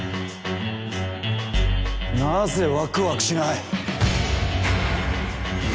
なぜワクワクしない。